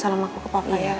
salam aku ke papa ya